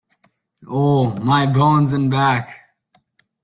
Oh, my bones and back!